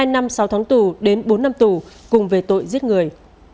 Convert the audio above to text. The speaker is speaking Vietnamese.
hai năm sáu tháng tù đến bốn năm tù cùng về tội giết người